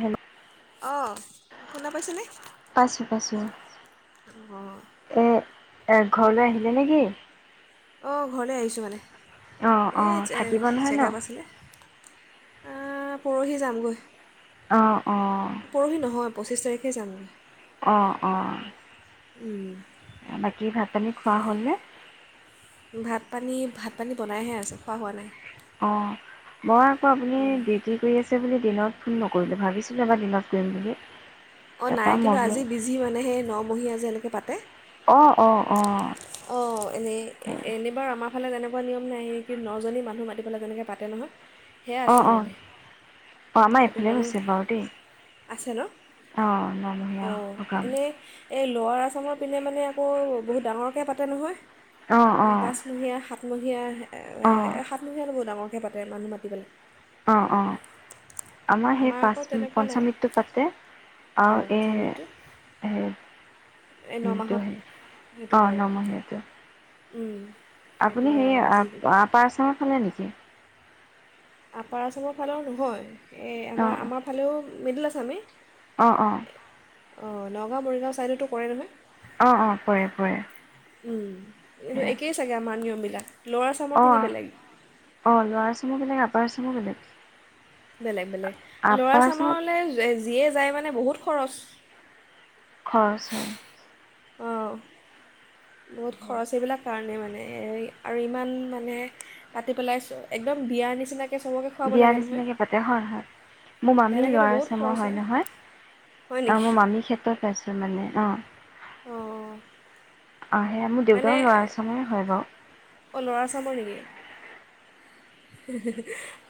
Hello অ', শুনা পাইছেনে, পাইছোঁ পাইছোঁ। অ। এ এ', ঘৰলৈ আহিলে নেকি? অ', ঘৰলৈ আহিছোঁ মানে। অ', - এই অ', - থাকিব নহয় ন। আ পৰহি যামগৈ। অ',। অ', পৰহি নহয় পঁচিশ তাৰিখে যামগৈ। অ', - অ', -। বাকী, ভাত পানী খোৱা হ'লেনে? ভাত পানী, ভাত পানী বনাইহে আছোঁ, খোৱা হোৱা নাই। অ', মই আকৌ আপুনি ডিউটি কৰি আছ তে', বুলি দিনত ফোন নকৰিলোঁ, ভাবিছিলোঁ এবাৰ দিনত কৰিম বুলি। অঁ', তাৰপা নাই, মই কিন্তু বোলো আজি বিজি মানে সেই নমহীয়া যে এনেকৈ কে, পাতে। অ', - অ', - অ',। অ', এনেই, এনেবাৰ আমাৰ ইফালে তেনেকুৱা নিয়ম নাই কি নজনী মানুহ মাতিব লাগে এনেকে পাতে নহয় সেয়া অ', - আছিল অ', - মানে অ', - আমাৰ সেইটো এইফালে কাৰণে হৈছে বাৰু দেই আছে ন অ', নমহীয়া অঁ সকাম। এনেই এই লোৱাৰ আছামৰ পিনে মানে আকৌ বহুত ডাঙৰ তাকে, পাতে অ', নহয়। অ', পাঁচমহীয়া সাতমহীয়া এ', - অ', এ', সাতমহীয়াটো বহুত ডাঙৰ ডাঙৰকে পাতে মানুহ মাতিবলৈ অ', - অ', আমাৰ সেই আকৌ পাঁচ, তেনেকুৱা নাই পঞ্চমৃত্যু পাতে অঁ আৰু মনসা মৃত্যু এই হে এই নমাহত সেটো সে, সেইটো অ', কৰে নমহীয়াটো উম',। সেইটো আপুনি হেৰি আজি আ', আপাৰ আসামৰ ফালে নেকি? আপাৰ আসামৰ ফালে নহয়। এই, আমাৰ অ' আমাৰ ফালেও মিডল আসামে অ', - অ',। অ', নগাঁও মৰিগাঁও ছাইডতো কৰে নহয়? অ' অ' পৰে পৰে উম', এটো সেয়া একেই চাগে আমাৰ নিয়মবিলা তাকে অ', -অ', - লোৱাৰ আসামৰ বেলেগ আপ আপাৰ আসামৰ বেলেগ। বেলেগ বেলেগ লোৱাৰ আপাৰ আসাম আছামত যিয়ে যায় মানে বহুত খৰচ খৰচ হয়। আহঁ। বহুত খৰচ এইবিলাক কাৰণে মানে আৰু ইমান মানে পাতি পেলাই একদম বিয়াৰ নিচিনাকৈ, চবকে খুৱাব বিয়াাৰ লাগে নহয় নিচিনাকে পাতে হয় হয় মোৰ মামী তেনেকৈতো লোৱাৰ বহুত আসাম খৰচ হয় নহয় হয় আহ নেকি মই মামীৰ ক্ষেত্ৰত চাইছো মানে। অঁ অঁ অ সেয়া মোৰ মানে দেউতাৰ লোৱাৰ আসাম এ হয় বাৰু অঁ লোৱাৰ আসাম ৰ নেকি?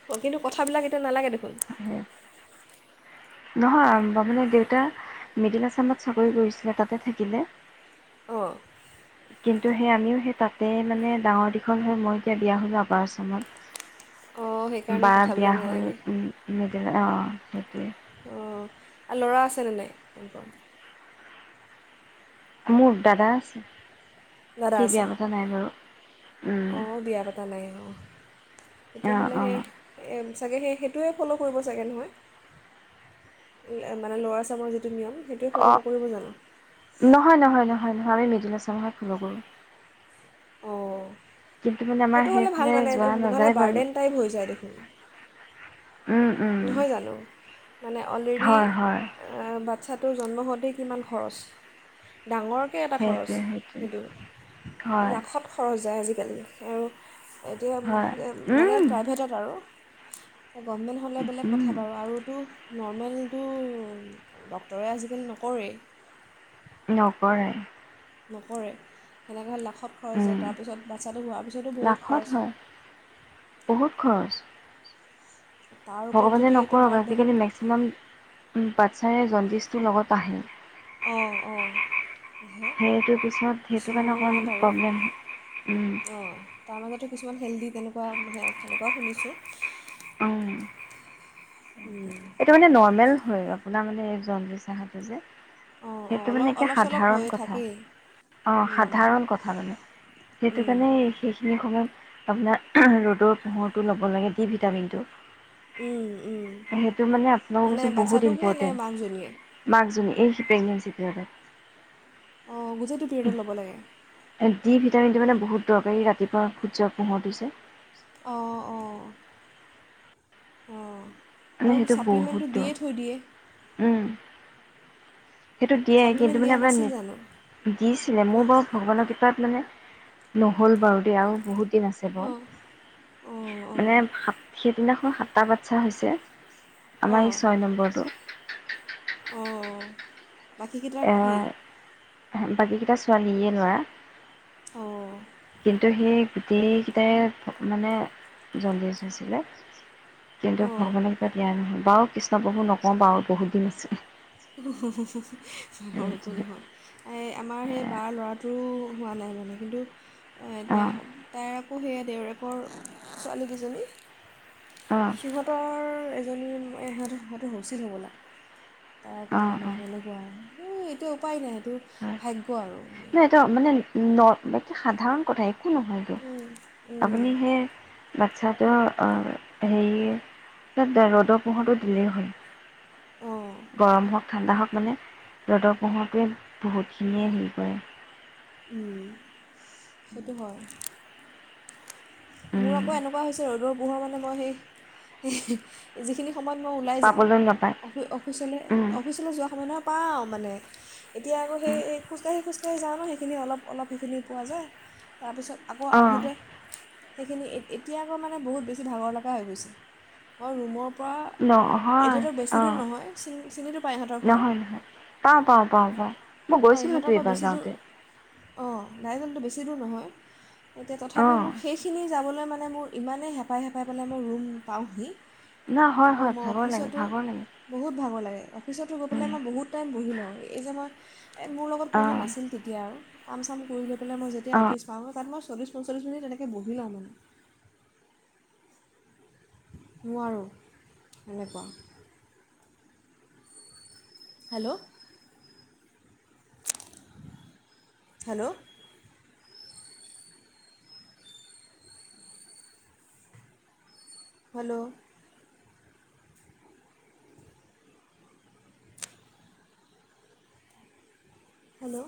হু কিন্তু কথাবিলাক এতিয়া নালাগে দেখোন সেই নহয় মানে দেউতা মিডিল আছামত চাকৰি কৰিছিলে তাতে থাকিলে, অঁ। কিন্তু সেই আমিও সেই তাতে মানে ডাঙৰ দীঘল হৈ মই এতিয়া বিয়া হ'লো আপাৰ আচাম অঁ ত, সেইকাৰণে বা বিয়া কথাবিলাক হল নালাগে উম। অ সেইটোৱে। অঁ আৰু ল'ৰা আছেনে নাই? মোৰ দাদা আছে। দাদা সি আছে বিয়া পতা নাই বাৰু উম অঁ বিয়া পতা নাই অ অ তেতিয়াহ'লে অ সেই, চাগে সেই সেইটোৱে ফ'ল' কৰিব চাগে নহয় মানে ল'ৰা ছামৰ যিটো নিয়ম সেইটোৱে ফ'ল' অ নকৰিব জানো নহয় নহয় নহয় নহয় আমি মেজি নাছো চচা হাকুলো [unintelligible] অঁ সেইটো হ'লে ভাল সেইফালে মানেদ যোৱা নহ'লে নাযায় বাৰু বাৰ্ডেন টাইপ হৈ যায় দেখোন। উম উম নহয় জানো মানে অলৰেডি হয় হয় বাচ্ছাটোৰ জন্ম হওঁতে কিমান খৰচ? ডাঙৰকৈ এটা খৰচ সেইটোৱে সেইটোৱে সেইটো হয় লাখত খৰচ যায় আজি আৰু এতিয়া হয় মানে উম প্ৰাইভেটত আৰু গভমে [unintelligible] বেলেগ উম কথা বাৰু আৰুতো নৰ্মেলটো ডক্তৰে আজিকালি নকৰেই নকৰে নকৰে হেনেকে লাখ ত খৰচ হয় উম তাৰপিছত বাচ্ছাটো হোৱাৰ পিছতো বহুত লাখত খৰচ হয় বহুত খৰচ তাৰ ওপৰত ভগৱানে যদি এইটো নকৰক বাৰ্ডেন আজিকালি মেক্সিমাম বাচ্ছাৰে জণ্ডিছটোৰ লগত আহে অ অ আহে সেইটো পিছত সেইটো কাৰণে কিছুমানৰ অকণমান নাই বাৰু প্ৰব্লেম হয়। উম, অ তাৰ মাজতো কিছুমান হেল্ডি তেনেকুৱাে তেনেকুৱাও শুনিছোঁ উম। উম, এইটো মানে নৰ্মেল হয় আপোনাৰ মানে জণ্ডিছচাহাটো যে অঁ অঁ সেইটো অলপ মানে এতিয়া অলপ চলপ সাধাৰণ হৈ কথা থাকেই অ উম, সাধাৰণ কথা মানে সেইটো উম, কাৰণে সেইখিনি সময়ত আপোনাৰ ৰ'দৰ পোহৰটো ল'ব লাগে দি ভিটামিনটো উম, উম। সেইটো মানে আপোনাকো মানে কৈছোঁ বহুত বাচ্ছাটোক নে নে মাকজনীয়ে ইম্পৰ্টেণ্ট মাকজনী এই কি প্ৰেগ্নেঞ্চি প্ৰিয়ডত অ গোটেইটো পিৰিয়ডত ল'ব লাগে ডি ভিটামিনটো মানে বহুত দৰকাৰী ৰাতিপুৱা সূৰ্য পোহৰটো যে অ অ অ মানে সেইটো বহুত দ উম সেইটো দিয়ে কিন্তু ছাপ্লিমেণ্ট মানে দিয়া নাছিল জানো আপোনাৰ দিছিলে মোৰ বাৰু ভগৱানৰ কৃপাত মানে নহ'ল বাৰু দেই আৰু বহুত বাও অঁ অঁ অঁ মানে সেইদিনাখ ম সাতটা বাচ্ছা হৈছে আমাৰ এই অঁ ছয় নম্বৰটো অঁ বাকীকেইটা এ কি বাকীকেইটা ছোৱালী ইয়ে ল'ৰা অ কিন্তু সেই গোটেইকিটাই মানে জনডিছ হৈছিলে কিন্তু অঁ ভগৱানে কোৱাত ইয়া নহল বাৰু কৃষ্ণপ্ৰভু নকওঁ বাৰু বহুত দিন আছে হু হু একো নহয় এই আমাৰ সেই বাৰ ল'ৰাটোৰো হোৱা নাই মানে কিন্তু তাৰ অঁ এতিয়া অঁ তাৰ অ' সেয়া দেউৰেকৰ ছোৱালীকেইজনী অঁ সিহঁতৰ এজনী ইহঁ সিহঁতৰ হৈছিল হ'বলা তাৰ আকৌ অঁ নৰ্মেল ডেলিভাৰী হোৱা হেই এইটো উপায় নাই, সেইটো ভাগ্য আৰু। মানে না এটো মানে ন মানে কি সাধাৰণ কথা একো নহয়তো। আপুনি সেই বাচ্ছা অ অ। হেৰি ৰ'দৰ পোহৰটো দিলেই হ'ল। অঁ গৰম হওক, ঠাণ্ডা হওক। মানে ৰ'দৰ পোহৰটোৱে বহুতখিনিয়ে হেৰি কৰে। উম। সেইটো হয়। মোৰ উম, আকৌ এনেকোৱা হৈছে ৰ'দৰ পোহৰ মানে মই সেই। হিঃ হিঃ যিখিনি সময়ত মই ওলাই যাওঁ। পাবলৈ নাপায় অফি অফিচলৈ অফিচলৈ যোৱা সময়ত পাওঁ মানে। এতিয়া আকৌ সেই খোজকাঢ়ি খোজকাঢ়ি যাওঁ ন সেইখিনি অলপ অলপ সেইখিনি পোৱা যায়। তাৰপিছত আকৌ অঁ আহোঁতে সেইখিনি এতিয়া আকৌ মানে বহুত বেছি ভাগৰ লগা হৈ গৈছে। মই ৰুমৰ পৰা নহয়, এতিয়াতো বেছি দূৰ অহ, নহয় চিনি চিনি পায় ইহঁতৰ ঘৰ নহয়-নহয়। পাওঁ পাওঁ পাওঁ পাওঁ। মই অঁ গৈছিলো তো ইহঁতৰ পৰা এইবাৰ বেছি দূৰ যাওঁতে। অঁ দাই দালটো বেছি দূৰ নহয়। এতিয়া তথাপি অঁ মোক সেইখিনি যাবলে মানে মোৰ ইমানেই হেপাই-হেপাই পেলাই মই ৰুম পাওঁহি না হয় আকৌ হয় মই ভাগৰ লাগে অফিচতো ভাগৰ লাগে বহুত ভাগৰ লাগে। অফিচতো গৈ পেলাই মই বহুত টাইম বহি লওঁ। এই যে মই এই মোৰ লগত কোনো অঁ নাছিল তেতিয়া আৰু। কাম চাম কৰিল লৈ মই যেতিয়া অঁ অফিচ পাওঁ। তাত মই চল্লিছ-পঞ্চল্লিছ মিনিট এনেকে বহি লওঁ মানে। নোৱাৰোঁ, এনেকুৱা। হেল্ল'। হেল্ল'। হেল্ল'! হেল্ল'।